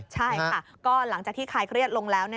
ใช่ค่ะก็หลังจากที่คลายเครียดลงแล้ว